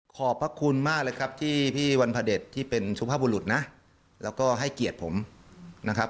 ขอบพระคุณมากเลยครับที่พี่วันพระเด็จที่เป็นสุภาพบุรุษนะแล้วก็ให้เกียรติผมนะครับ